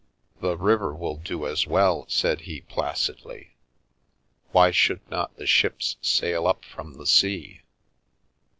" The river will do as well," said he, placidly. " Why should not the ships sail up from the sea?"